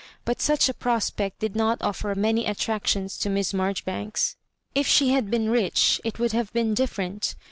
But such a piospect did not offer many attractions to Miss Marjoribanks. If she had been rich, it would have been different.